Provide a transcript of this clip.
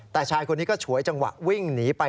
แต่ชายคนนี้ก็ฉวยจังหวะวิ่งหนีไป